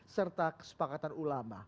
serta kesepakatan ulama